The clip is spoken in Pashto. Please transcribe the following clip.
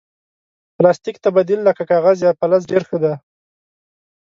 پلاستيک ته بدیل لکه کاغذ یا فلز ډېر ښه دی.